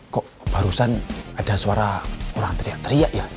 kok barusan ada suara orang teriak teriak ya